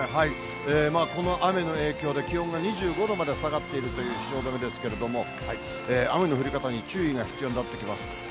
この雨の影響で、気温が２５度まで下がっているという汐留ですけれども、雨の降り方に注意が必要になってきます。